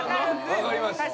分かります。